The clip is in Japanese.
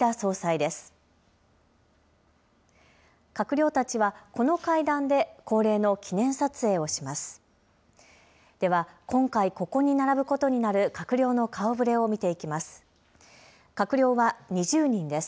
では、今回、ここに並ぶことになる閣僚の顔ぶれを見ていきます。